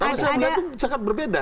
tapi saya melihatnya cekat berbeda